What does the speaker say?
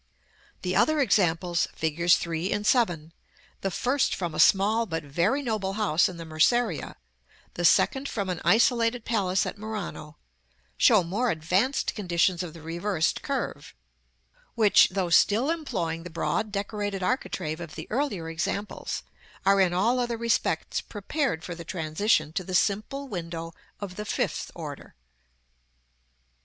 The other examples, figs. 3 and 7, the first from a small but very noble house in the Merceria, the second from an isolated palace at Murano, show more advanced conditions of the reversed curve, which, though still employing the broad decorated architrave of the earlier examples, are in all other respects prepared for the transition to the simple window of the fifth order.